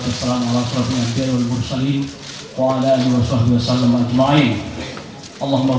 bersama sesuai dengan keinginan dan kepercayaan masyarakat